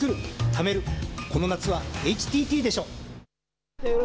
この夏はＨＴＴでしょ。